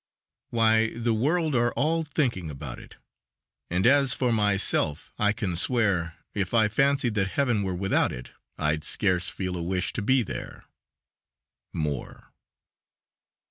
"Why the world are all thinking about it, And as for myself I can swear, If I fancied that Heaven were without it, I'd scarce feel a wish to be there." _Moore.